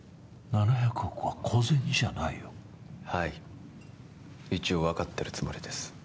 ７００億は小銭じゃないよはい一応分かってるつもりです